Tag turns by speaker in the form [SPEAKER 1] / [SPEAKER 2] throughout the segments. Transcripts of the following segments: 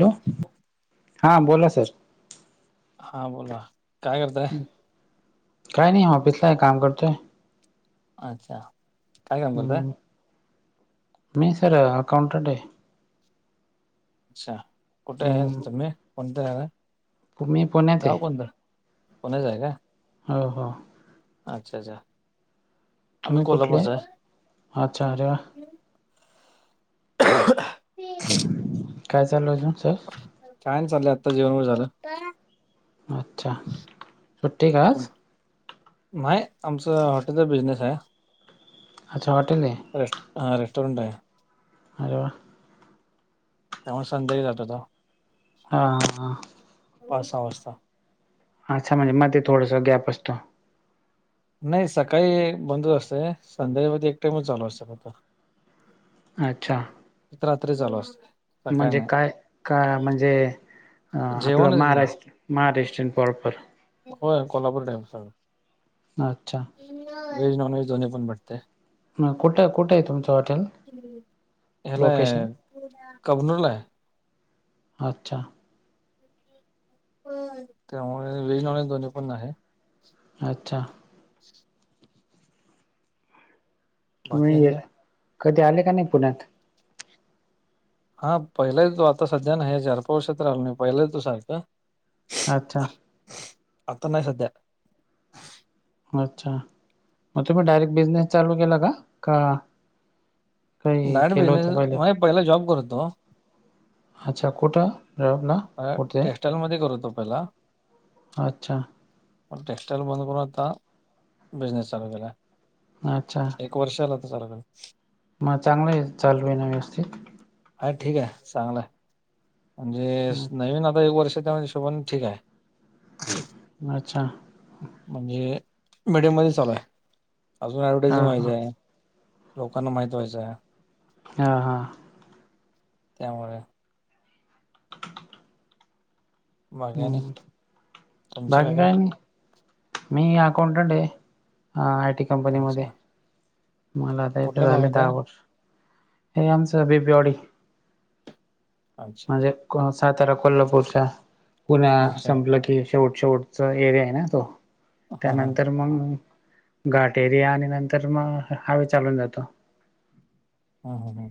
[SPEAKER 1] Hello हां बोला sir.
[SPEAKER 2] हा बोोल काय करताय?
[SPEAKER 1] काय नाही ऑफिसलाय काम करतोय.
[SPEAKER 2] अच्छा काय काम करतय.
[SPEAKER 1] हम्म, मी सर अकाौउंटंट आहे.
[SPEAKER 2] अच्छा कुठे आहे तुम्ही कोणत आहे.
[SPEAKER 1] म्ही पुण्यात्या ते आहे.
[SPEAKER 2] कोणाच आहे का?
[SPEAKER 1] हो हो.
[SPEAKER 2] अच्छा अच्छा आम्ही
[SPEAKER 1] तुम्ही
[SPEAKER 2] कोलला्हापर
[SPEAKER 1] कुठले अच्छा अरे वा
[SPEAKER 2] सर ह.
[SPEAKER 1] काय चालूजून सर
[SPEAKER 2] कायन चाललंय आता जेवनभर झालं.
[SPEAKER 1] अच्छा सुट्टी काज
[SPEAKER 2] नाहीय आमचं हॉटेलचा बिझनेस आहे.
[SPEAKER 1] अच्छा हॉटेलने
[SPEAKER 2] रेस्ट रस्टोरंट आहे.
[SPEAKER 1] ह.
[SPEAKER 2] त्यामुळे संध्याळी जात होता.
[SPEAKER 1] हा.
[SPEAKER 2] पा वाजता
[SPEAKER 1] अच्छा म्हणजे मध्ये थोडस गॅप असतो.
[SPEAKER 2] नाही सकाळी बंदच असतेय संध्यावध एक टाइमच चालू असतता.
[SPEAKER 1] अच्छा.
[SPEAKER 2] रात्री चालू असत.
[SPEAKER 1] म्हणजे काय काय म्हणजे ह आपला
[SPEAKER 2] जेवणच घे.
[SPEAKER 1] महाराष्ट्र महाराष्ट्रन पॉपर
[SPEAKER 2] हो कोल्हापूर डम सांग.
[SPEAKER 1] अच्छा.
[SPEAKER 2] व्हेज नॉन व्हेज दोन्ही पण भटते.
[SPEAKER 1] म कुठं कुठं आहे तुमचं हॉटेल
[SPEAKER 2] [unintelligible] हला
[SPEAKER 1] लोकेशन
[SPEAKER 2] कबनूरला
[SPEAKER 1] अच्छा.
[SPEAKER 2] त्यामुळे व्हेज नॉनव्हेज दोन्ही पण आहे.
[SPEAKER 1] अच्छा.
[SPEAKER 2] बाकी आणि काय
[SPEAKER 1] [unintelligible] कधी आले का नाही पुण्यात?
[SPEAKER 2] हा पहिला येतो आता सध्या नाय हे चार पाच वर्षा तर आलानाय पहिला येत सारखं.
[SPEAKER 1] अच्छा.
[SPEAKER 2] आता नाही सध्या.
[SPEAKER 1] अच्छा मग तुम्ही डायरेक्ट बिझनेस चालू केला का? का काही
[SPEAKER 2] डायरेक्ट
[SPEAKER 1] केलं होतं
[SPEAKER 2] बिझनेस
[SPEAKER 1] पहिले.
[SPEAKER 2] म्हणजे पहिला जॉब करत होतो.
[SPEAKER 1] अच्छा कुठं? जॉबला कुठे?
[SPEAKER 2] टेक्स्टाइल मध्ये करत होतो पहिला.
[SPEAKER 1] अच्छा.
[SPEAKER 2] प टेक्स्टाइल बंद करून आता बिझनेस चालू केला.
[SPEAKER 1] अच्छा.
[SPEAKER 2] एक वर्ष आले होते.
[SPEAKER 1] मग चांगलंय चालू आहे ना व्यवस्थित.
[SPEAKER 2] हा ठीक आहे. चांगलं म्हणजे नवीन आता एक वर्ष त्या हिशोबाने ठीक आहे.
[SPEAKER 1] अच्छा.
[SPEAKER 2] म्हणजे मीडियम मध्ये चालू आहे. अजून
[SPEAKER 1] हा
[SPEAKER 2] ऍडव्हर्टायजिंग
[SPEAKER 1] हा.
[SPEAKER 2] व्हायचं आहे. लोकांना माहित व्हायचं आहे.
[SPEAKER 1] हां हां.
[SPEAKER 2] त्यामुळे बाकी आणि
[SPEAKER 1] हम् बाकी काय आणि मी अकाउंटंट आहे आयटी कंपनीमध्ये
[SPEAKER 2] अच्छा
[SPEAKER 1] मला आता इथ
[SPEAKER 2] कुठल्या
[SPEAKER 1] झाले
[SPEAKER 2] भागात
[SPEAKER 1] दहा
[SPEAKER 2] आहे
[SPEAKER 1] वर्ष. हे आमचं बिबवेवाडी.
[SPEAKER 2] अच्छा
[SPEAKER 1] म्हणजे सातारा कोल्हापूरच्या पुण्या
[SPEAKER 2] अच्छा
[SPEAKER 1] संपलं की शेवट शेवटचा एरिया आहे ना तो
[SPEAKER 2] हा हा
[SPEAKER 1] त्यानंतर मग घाट एरिया आणि नंतर मग हायवे चालून जातो.
[SPEAKER 2] हम ह ह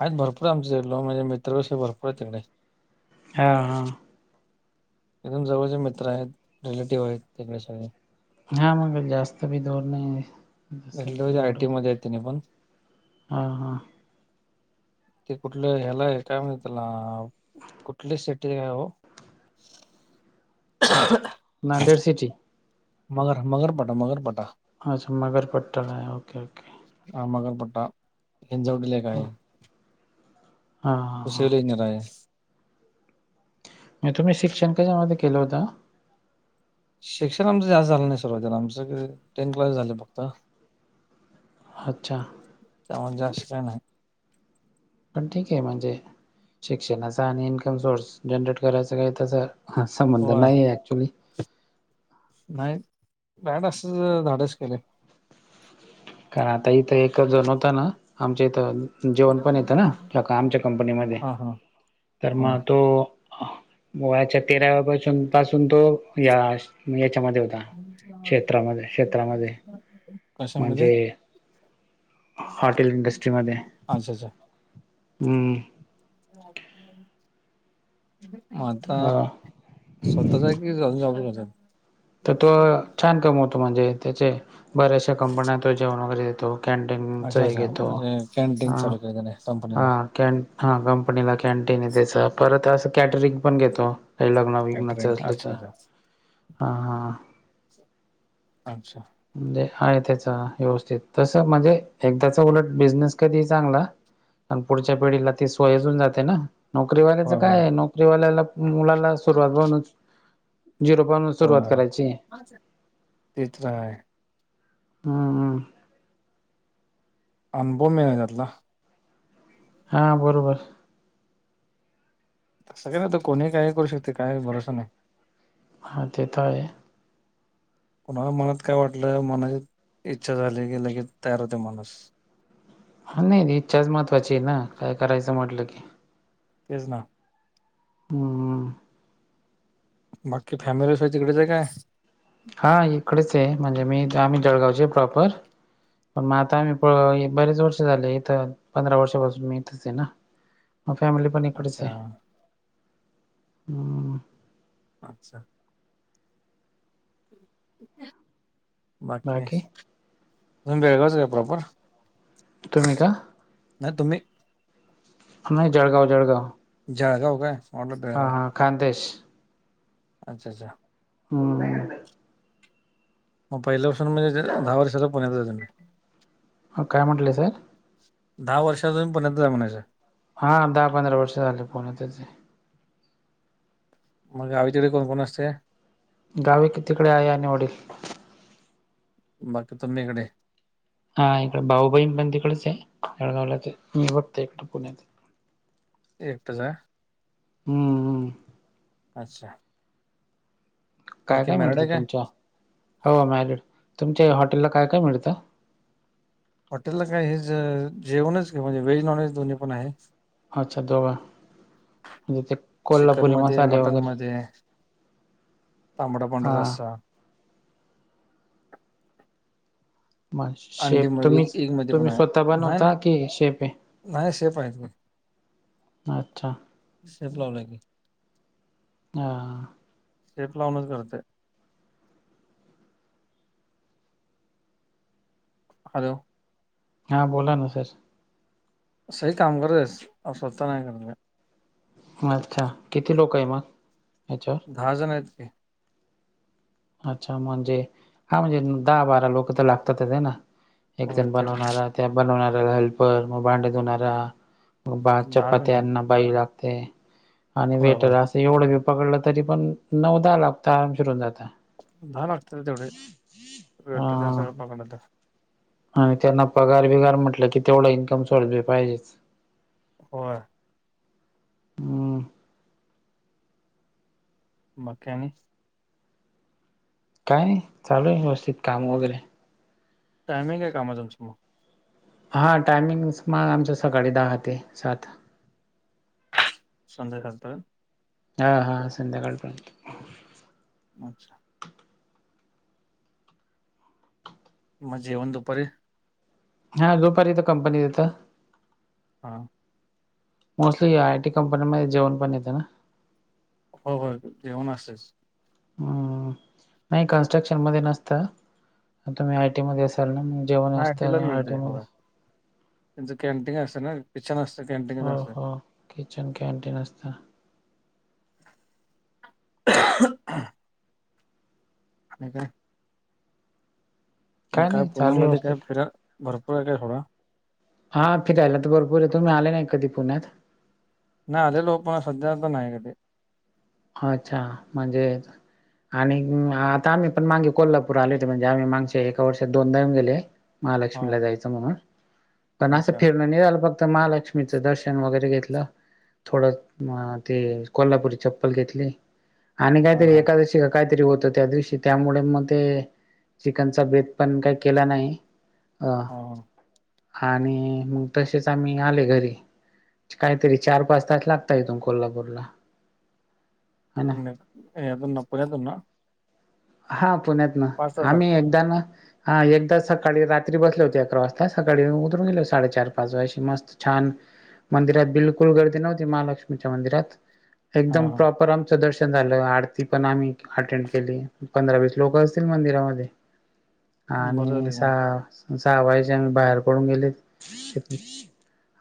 [SPEAKER 2] आहेत भरपूर आमच लो म्हणजे मित्र तसे भरपूर आहे तिकडे.
[SPEAKER 1] हा हा.
[SPEAKER 2] एकदम जवळचे मित्र आहेत रिलेटिव्ह आहेत. [inaudible]
[SPEAKER 1] हा मग जास्त बी दूर नाही.
[SPEAKER 2] [inaudible]
[SPEAKER 1] जस
[SPEAKER 2] आय टी मध्ये येत त्यांनी पण.
[SPEAKER 1] ह हां.
[SPEAKER 2] ते कुठलं ह्यालाय काय म्हण त्याला कुठली सिटी हाय ओ?
[SPEAKER 1] नांदेड सिटी.
[SPEAKER 2] मगर मगरपटा मगरपटा.
[SPEAKER 1] आज मगरपट्टा ला आहे ओके ओके.
[SPEAKER 2] हा मगरपट्टा. हिंजवडीला एक आहे.
[SPEAKER 1] हा.
[SPEAKER 2] [unintelligible]
[SPEAKER 1] तुम्ही शिक्षण कशामध्ये केलं होत?
[SPEAKER 2] शिक्षण आमचं जास् झालं नाही सर्वातला आमचं टेन क्लास झालं फक्त
[SPEAKER 1] अच्छा,
[SPEAKER 2] त्यामुळ जास्त काय नाही.
[SPEAKER 1] पण ठीक आहे म्हणजे शिक्षणाचा आणि इन्कम सोर्स जनरेट करायचं काही तसं हा संबंध
[SPEAKER 2] होय
[SPEAKER 1] नाही आहे ऍक्च्युली
[SPEAKER 2] नाही बॅट अस धाडस केले
[SPEAKER 1] कारण आता इथं एक जण होत ना आमच्या इथं जेवण पण येतं ना ल आमच्या कंपनीमध्ये
[SPEAKER 2] हा हा
[SPEAKER 1] तर
[SPEAKER 2] हा
[SPEAKER 1] मग तो व्याच्या तेराव्यापासून पासून तो या याच्यामध्ये होता. क्षेत्रामध्ये
[SPEAKER 2] कसं म्हज
[SPEAKER 1] ते
[SPEAKER 2] अच्छा अच्छा!
[SPEAKER 1] हम्म
[SPEAKER 2] आता [unintelligible]
[SPEAKER 1] तर तो छान कमवतो म्हणजे त्याचे बऱ्याचशा कंपन्या तो जेवण वगैरे देतो. कॅनटीनचा
[SPEAKER 2] अच्छा
[SPEAKER 1] आहे
[SPEAKER 2] अच्छा
[SPEAKER 1] घेतो
[SPEAKER 2] म्हणजे कॅन्टीन
[SPEAKER 1] ह
[SPEAKER 2] चालू केलं त्याने
[SPEAKER 1] हा
[SPEAKER 2] कंपनीला
[SPEAKER 1] कॅन हा क कनीला कॅन्टीन आहे त्याच परत असं कॅटरिंग पण घेतो काही लग्न वग्नाचं
[SPEAKER 2] कॅटरिंग
[SPEAKER 1] असलं
[SPEAKER 2] अच्छा
[SPEAKER 1] तर,
[SPEAKER 2] अच्छा
[SPEAKER 1] हा हा!
[SPEAKER 2] अच्छा!
[SPEAKER 1] म्हणजे आहे त्याच व्यवस्थित तस म्हणजे एकदाचा उलट बिझनेस कधी चांगला. पण पुढच्या पिढीला ती स्वयजून जाते ना? नोकरीवाल्याचं
[SPEAKER 2] होय होय
[SPEAKER 1] काय नोकरीवाल्याला मुलाला सुरुवात म्हन जिरो पान
[SPEAKER 2] हो तेच रा
[SPEAKER 1] हम् हम!
[SPEAKER 2] अनुभव मिळा त्यातला
[SPEAKER 1] हा बरोबर!
[SPEAKER 2] तसं काही नाही त कोणी काही करू शकते काही भरोसा नाही.
[SPEAKER 1] हा तेतर आहे.
[SPEAKER 2] कुणाला मनात काय वाटलं मनाची इच्छा झाली की लगेच तयार होते माणूस
[SPEAKER 1] ह नाही इच्छाच महत्वाची आहे ना काय करायचं म्हटलं की,
[SPEAKER 2] तेच ना,
[SPEAKER 1] हम्म
[SPEAKER 2] बाकी फॅमिली स तिकडेच आहे काय?
[SPEAKER 1] हा इकडेच आहे म्हणजे मी आम्ही जळगावचे आहे प्रॉपर मग आता आम्ही बरेच वर्ष झाले इथ पंधरा वर्षापासून मी इथच आहे ना, म फॅमिली पण इकडच आहे
[SPEAKER 2] अच्छा
[SPEAKER 1] हम्!
[SPEAKER 2] अच्छा! बाकी तुम्ही बेळगावं च आहे का प्रॉपर?
[SPEAKER 1] तुम्ही का?
[SPEAKER 2] नाही तुम्ही
[SPEAKER 1] नाही जळगाव, जळगाव
[SPEAKER 2] जळगाव काय? वाटलं
[SPEAKER 1] हां
[SPEAKER 2] बेळगाव
[SPEAKER 1] हां खांदेश
[SPEAKER 2] अच्छा, अच्छा!
[SPEAKER 1] हम्!
[SPEAKER 2] मग पहिल्यापसुन म्हणजे दहा वर्षाला पुण्यात आहे तुम्ही
[SPEAKER 1] काय म्हटले सर?
[SPEAKER 2] दहा वर्षापासून पुण्यातच आहे म्हणायचं.
[SPEAKER 1] हा दहा, पंधरा वर्ष झाले पुण्यातच आहे.
[SPEAKER 2] मग गावी तकडे कोण कोण असते?
[SPEAKER 1] गावे कितीकडे आहे आणि वडील.
[SPEAKER 2] बाकी तुम्ही इकडे?
[SPEAKER 1] हा इकडे भाऊ बहीण पण तिकडेच आहे जळगावळच मी फक्त इकड पुण्यात
[SPEAKER 2] एकटाच आहे?
[SPEAKER 1] हम्म हम्म
[SPEAKER 2] अच्छा!
[SPEAKER 1] काय
[SPEAKER 2] बाकी
[SPEAKER 1] काय
[SPEAKER 2] मॅरड
[SPEAKER 1] मिळतं
[SPEAKER 2] आहे
[SPEAKER 1] तुमच्या हो मॅलड तुमच्या हॉटेलला काय काय मिळतं?
[SPEAKER 2] हॉटेलला काय हेच जेवणच की म्हणजे व्हेज नॉनव्हेज दोन्ही पण आहे.
[SPEAKER 1] अच्छा दोघ म्हणजे ते कोल्हापुरी मसाले वगैरे...
[SPEAKER 2] ते... तांबडा पांढरा
[SPEAKER 1] हां
[SPEAKER 2] रस्सा..... अंडी
[SPEAKER 1] शेप
[SPEAKER 2] मध्ये
[SPEAKER 1] तुम्हीच
[SPEAKER 2] एग मध्ये पण
[SPEAKER 1] तुम्ही
[SPEAKER 2] आहे
[SPEAKER 1] स्वतः
[SPEAKER 2] नाही
[SPEAKER 1] बनवता
[SPEAKER 2] नाही
[SPEAKER 1] की शेप आहे.
[SPEAKER 2] नाही शेप आहे.
[SPEAKER 1] अच्छा....
[SPEAKER 2] शेफ लावलाय की....
[SPEAKER 1] हा....
[SPEAKER 2] शेफ लावूनच करते... हॅलो...
[SPEAKER 1] हा बोला ना सर...
[SPEAKER 2] सही काम करत पण स्वतः ता नाही करनार...
[SPEAKER 1] हा अच्छा किती लोक आहे मग अच्छा....
[SPEAKER 2] दहा जण आहेत.
[SPEAKER 1] अच्छा म्हणजे हा म्हणजे दहा बारा लोक तर लागतातच आहे ना एक
[SPEAKER 2] होय
[SPEAKER 1] जण
[SPEAKER 2] तेवढे
[SPEAKER 1] बनवणारा. त्या बनवणारा हेल्पर मग भांड्या धुणारा बा
[SPEAKER 2] दहा जण आहेत
[SPEAKER 1] चपात्याना... बाई लागते आणि
[SPEAKER 2] होय
[SPEAKER 1] वेटर
[SPEAKER 2] होय
[SPEAKER 1] अस... एवढं बी पकडलं तरी पण नऊ दहा लागता शिरून जात...
[SPEAKER 2] दहा लागतात तेवढे वेटर तेन
[SPEAKER 1] हां
[SPEAKER 2] सगळ पाक मिळत.
[SPEAKER 1] आणि त्यांना पगार बिगार म्हटलं की तेवढा इन्कम सोर्स बी पाहिजेच.
[SPEAKER 2] होय...
[SPEAKER 1] हम्म,
[SPEAKER 2] मकॅनिक....
[SPEAKER 1] काय नाही चालू आहे व्यवस्थित काम वगैरे..
[SPEAKER 2] टायमिंग आहे कामाच तुमच्या मग..
[SPEAKER 1] हां टायमिंग्स मग आमचं सकाळी दहा ते सात...
[SPEAKER 2] संध्याकाळच...
[SPEAKER 1] हा हा संध्याकाळपर्यंत....
[SPEAKER 2] अच्छा... मग जेवण दुपारी.....
[SPEAKER 1] हा जो पर्यंत कंपनी देतं.
[SPEAKER 2] हा...
[SPEAKER 1] मोस्टली आय टी कंपनीमध्ये जेवण पण येत ना...
[SPEAKER 2] हो हो जेवण असतयच...
[SPEAKER 1] हम्म नाही कन्स्ट्रक्शन मध्ये नसत तुम्ही आयटी मध्ये असाल ना.... जेवण
[SPEAKER 2] नाही
[SPEAKER 1] असत
[SPEAKER 2] तिलाच मिळते
[SPEAKER 1] आयटीमध्ये...
[SPEAKER 2] होय. त्यांचं कॅन्टीन असत ना... किचन असतं कॅन्टीन....
[SPEAKER 1] हो हो किचन कॅन्टीन असत
[SPEAKER 2] [unintelligible] आणि काय? मग काय
[SPEAKER 1] नाही चालू
[SPEAKER 2] पुण्यामध्ये काय
[SPEAKER 1] व्यवस्थित
[SPEAKER 2] फिराय भरपूर आहे काय थोडा...
[SPEAKER 1] हा फिरायला तर भरपूर आहे तुम्ही आले नाही कधी पुण्यात...
[SPEAKER 2] नाही आलेलो प सध्या तर नाही कधी....
[SPEAKER 1] अच्छा म्हणजे.... आणि आता आम्ही पण मागे कोल्हापूर आले होते म्हणजे आम्ही मागच्या एका वर्षात दोनदा येऊन गेले...
[SPEAKER 2] हा
[SPEAKER 1] महालक्ष्मीला जायचं म्हणून पण असं
[SPEAKER 2] अच्छा
[SPEAKER 1] फिरण नाही झालं मग.... महालक्ष्मीचं दर्शन वगैरे घेतलं थोडं ते कोल्हापूरीच्या..... चप्पल घेतले आणि काही
[SPEAKER 2] हा
[SPEAKER 1] तरी
[SPEAKER 2] हा
[SPEAKER 1] एकादशी वर.... काहीतरी होतो त्या दिवशी त्यामुळे मग ते चिकनचा बेत पण काही केला नाही. अ हा आणि मग तसेच आम्ही आले घरी... काहीतरी चार पाच तास लागता इथून कोल्हापूरला ह ना
[SPEAKER 2] कोदन आपर येेतना.
[SPEAKER 1] हा पुण्यात ना
[SPEAKER 2] तास
[SPEAKER 1] आम्ही
[SPEAKER 2] लागत
[SPEAKER 1] एकदा ना. हा एकदा सकाळी रात्री बसले होते अकरा वाजता सकाळी उतरून गेले हो साडेचार पाच व अशी मस्त छान मंदिरात बिलकुल गर्दी नव्हती महालक्ष्मीच्या मंदिरात
[SPEAKER 2] हा
[SPEAKER 1] एकदम
[SPEAKER 2] हा
[SPEAKER 1] प्रॉपर आमचं दर्शन झालं आरती पण आम्ही अटेंड केली. पंधरा वीस लोक असतील मंदिरामध्ये
[SPEAKER 2] बरं
[SPEAKER 1] आणि
[SPEAKER 2] झाले मग
[SPEAKER 1] जावायचे आम्ही बाहेर पडून गेलेथ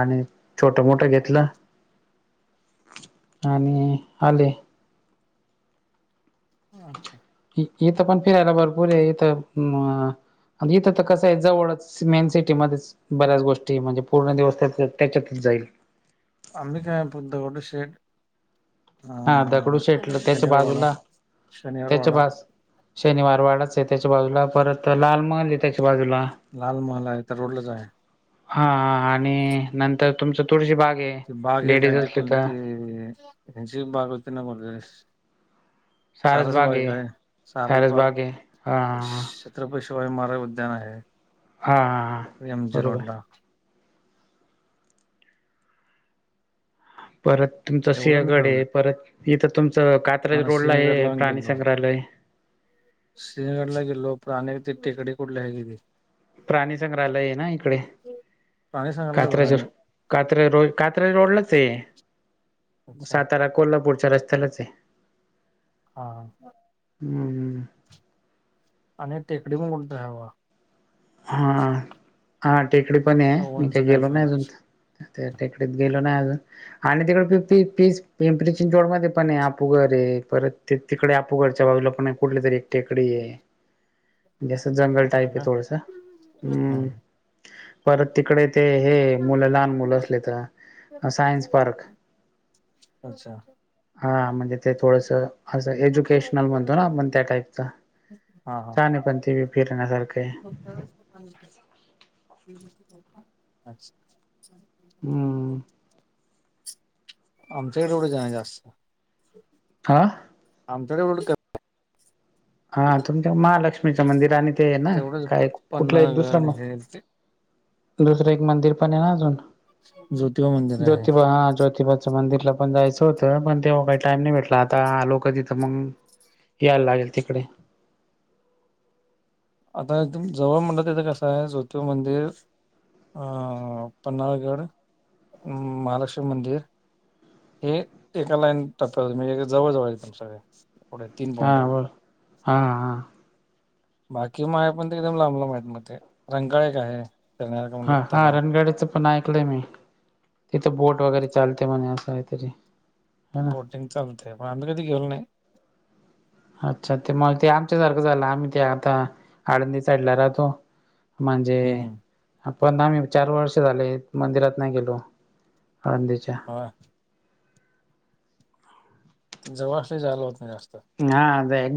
[SPEAKER 1] आणि छोट मोठं घेतलं. आणि आले.
[SPEAKER 2] अच्छा.
[SPEAKER 1] इथं पण फिरायला भरपूर आहे इथं. इथं तर कसं आहे जवळच मेन सिटीमध्येध्येच. बऱ्याच गोष्टी म्हणजे पूर्ण दिवस त्या त्याच्यातच जाईल.
[SPEAKER 2] अंबिकायं पद्द गोड शेट
[SPEAKER 1] हा दगडू शेटलं त्याच्या
[SPEAKER 2] शनिवारवाडा
[SPEAKER 1] बाजूला त्याच
[SPEAKER 2] शनिवारवाडा
[SPEAKER 1] बास. शनिवार वाडाच आहे त्याच्या बाजूला परत लाल माली त्याच्या बाजूला
[SPEAKER 2] लाल महाल आहे त्या रोडलाच आहे
[SPEAKER 1] हा आणि नंतर तुमच तुळशी बाग आहे.
[SPEAKER 2] त बाग आहे काय
[SPEAKER 1] लेडीज
[SPEAKER 2] ते
[SPEAKER 1] असले तर
[SPEAKER 2] कोणती त्यांची बाग होते ना मग
[SPEAKER 1] सारस बाग आहे
[SPEAKER 2] सारसबागय
[SPEAKER 1] सारस
[SPEAKER 2] सारसबाग
[SPEAKER 1] बाग आहे हा
[SPEAKER 2] छत्रपती शिवाज महाराज उद्यान आहे
[SPEAKER 1] हा हा
[SPEAKER 2] एम जी
[SPEAKER 1] बरोबर
[SPEAKER 2] रोड ला
[SPEAKER 1] परत तुमचं
[SPEAKER 2] तेवढं मी
[SPEAKER 1] सिंहगड आहे
[SPEAKER 2] फिरलोय
[SPEAKER 1] परत इथं तुमचं कात्राज
[SPEAKER 2] हा
[SPEAKER 1] रोडला आहे
[SPEAKER 2] सिंहगडला
[SPEAKER 1] प्राणीसग्रहालय
[SPEAKER 2] श्रीगड ला गेलो प्र अ ति टेकडे कुठले आहे गे.
[SPEAKER 1] प्राणी संंग्रहालय आहे ना इकडे
[SPEAKER 2] प्राणी सांगितले बघा आणि
[SPEAKER 1] कात्रशर कात्र्या रो कात्र्या रोडलाच आहे
[SPEAKER 2] अच्छा
[SPEAKER 1] सातारा कोल्हापूरच्या रस्त्यालाच आहे.
[SPEAKER 2] हा.
[SPEAKER 1] हम्म.
[SPEAKER 2] आणि टेकडी म बोलत हवा.
[SPEAKER 1] हा हा टेकडी पण आहे
[SPEAKER 2] असं
[SPEAKER 1] मी
[SPEAKER 2] उंच
[SPEAKER 1] काही गेलो
[SPEAKER 2] कायतर
[SPEAKER 1] ना
[SPEAKER 2] आहे
[SPEAKER 1] अजून त्या टेकडीत गेलो ना अज आणि तिकडे प पीस पिंपरीचीन जोड मध्ये पण आहे आपूग रे परत ते तिकडे आपू घडच्या बाजूला पण कुठली तरी एकटेकडी आहे.
[SPEAKER 2] ह.
[SPEAKER 1] जसं जंगल टाईप आहे थोडसा
[SPEAKER 2] हा.
[SPEAKER 1] परत तिकडे ते हे मुलं लहान मुलं असले तर सायन्स पार्क
[SPEAKER 2] अच्छा.
[SPEAKER 1] हा म्हणजे ते थोडस असं एज्युकेशनल म्हणतो ना आपण त्या टाईपच.
[SPEAKER 2] हा हा
[SPEAKER 1] चाणी पण ती बी फिरण्यासारखे
[SPEAKER 2] अच्छा.
[SPEAKER 1] हम्म
[SPEAKER 2] आमच्याकडे एवढे जाण जास्त
[SPEAKER 1] हा.
[SPEAKER 2] आमच्या
[SPEAKER 1] हा तुमच्या महालक्ष्मीचं मंदिर आणि ते आहे ना
[SPEAKER 2] तेवढंच
[SPEAKER 1] काय कुठलं एक
[SPEAKER 2] पन्हाळगड
[SPEAKER 1] दुसरं
[SPEAKER 2] हे ते
[SPEAKER 1] दुसरं एक मंदिर पण आहे ना अजून
[SPEAKER 2] ज्योतिबा मंदिर आहे
[SPEAKER 1] ज्योतिबा हा ज्योतिबा मंदिरला पण जायचं होतं पण तेव्हा काही टाम नाही भेटला आता आ लोक तिथं मग यायला लागेल तिकडे
[SPEAKER 2] आता जवळ म्हणलं तरिथे कसं आहे ज्योति मंदिर पन्नाळगढ महालक्ष्मी मंदिर हे एका लाईन टप्प म्हणजे जवळजवळ आहे पुण्यात.
[SPEAKER 1] हां बोल हां हां
[SPEAKER 2] बाकी मा आहे पण ते एकदम लांब ला मा आहेत मग ते रंकाळा एक आहे. फिरण्यासारखं म्हणलं
[SPEAKER 1] हा हा
[SPEAKER 2] तलाव
[SPEAKER 1] रणगाडीचं पण ऐकलंय मी तिथं बोट वगैरे चालते म्हणे असं कायतरी
[SPEAKER 2] बोटिंग चालतं पण आम्ही कधी गेलो नाही.
[SPEAKER 1] अच्छा! ते मग ते आमच्यासारखं झालं आम्ही ते आता आळंदी साईडला राहतो. म्हणजे
[SPEAKER 2] हम्म
[SPEAKER 1] पण आम्ही चार वर्ष झाले मंदिरात नाही गेलो आळंदीच्या.
[SPEAKER 2] हां जवळ असला की जाईला होत नाही जास्त.
[SPEAKER 1] हा जाईन